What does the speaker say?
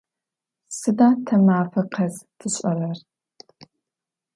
Сыда тэ мафэ къэс тшӏэрэр?